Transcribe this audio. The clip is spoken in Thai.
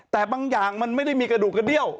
แต่บางอย่างมันไม่ได้มีกระดูกกระเดี้ยว